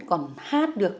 còn hát được